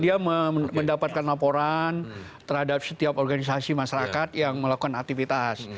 dia mendapatkan laporan terhadap setiap organisasi masyarakat yang melakukan aktivitas